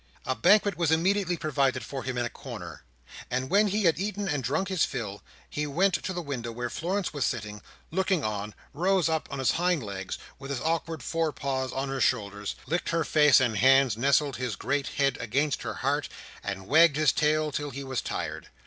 A banquet was immediately provided for him in a corner; and when he had eaten and drunk his fill, he went to the window where Florence was sitting, looking on, rose up on his hind legs, with his awkward fore paws on her shoulders, licked her face and hands, nestled his great head against her heart, and wagged his tail till he was tired.